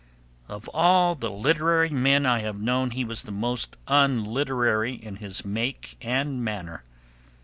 Of all the literary men I have known he was the most unliterary in his make and manner.